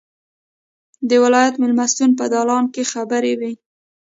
د ولایت مېلمستون په دالان کې خبرې وې.